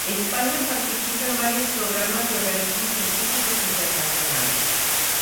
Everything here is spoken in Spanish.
España participa en varios programas y organismos científicos internacionales.